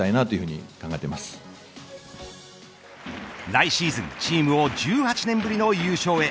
来シーズンチームを１８年ぶりの優勝へ。